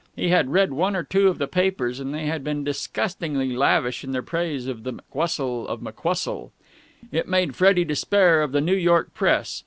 He had read one or two of the papers, and they had been disgustingly lavish in their praise of The McWhustle of McWhustle. It made Freddie despair of the New York Press.